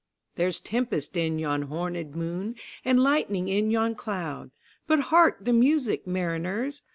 There's tempest in yon hornèd moon, And lightning in yon cloud:But hark the music, mariners!